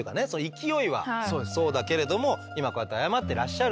勢いはそうだけれども今こうやって謝ってらっしゃるんで。